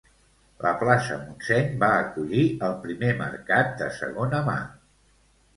La plaça Montseny va acollir el primer mercat de segona mà